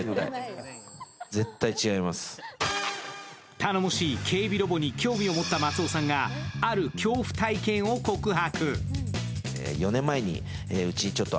頼もしい警備ロボに興味を持った松尾さんがある恐怖体験を告白。